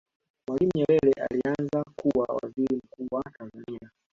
mwalimu nyerere alianza kuwa Waziri mkuu wa tanzania